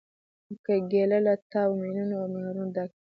کېله له واټامینونو او منرالونو ډکه ده.